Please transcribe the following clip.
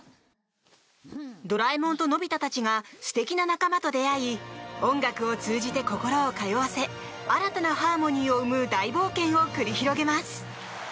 ドラえもんとのび太たちが素敵な仲間と出会い音楽を通じて心を通わせ新たなハーモニーを生む大冒険を繰り広げます。